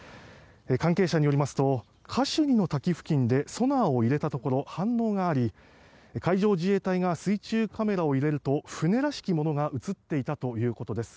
関係者によりますとカシュニの滝付近でソナーを入れたところ反応があり海上自衛隊が水中カメラを入れると船らしきものが映っていたということです。